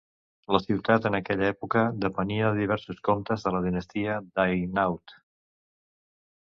La ciutat en aquella època depenia de diversos comtes de la dinastia d'Hainaut.